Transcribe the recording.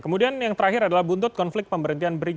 kemudian yang terakhir adalah buntut konflik pemberhentian brigadi